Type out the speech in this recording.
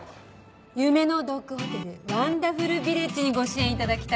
夢のドッグホテルワンダフルヴィレッジにご支援頂きたくて。